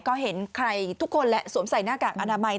ก็เห็นใครทุกคนแหละสวมใส่หน้ากากอนามัย